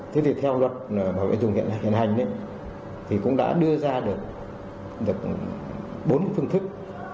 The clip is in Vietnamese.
thế thì theo luật bảo vệ dùng hiện hành thì cũng đã đưa ra được bốn phương thức